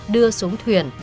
đưa xuống thuyền